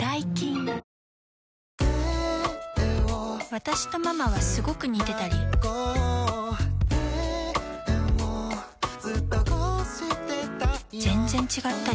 私とママはスゴく似てたり全然違ったり